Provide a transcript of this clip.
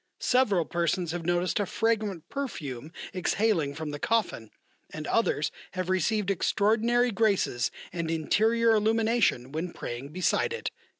Several persons have noticed a fragrant perfume exhaling from the coffin, and others have received extraordinary graces and interior illumination when praying beside it."